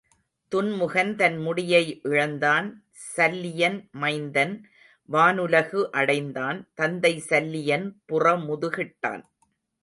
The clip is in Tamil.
துன்முகன் தன் முடியை இழந்தான் சல்லியன் மைந்தன் வானுலகு அடைந்தான் தந்தை சல்லியன் புறமுதுகிட்டான்.